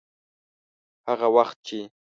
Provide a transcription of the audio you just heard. هغه وخت چې.